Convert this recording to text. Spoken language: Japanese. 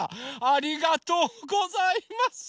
ありがとうございます！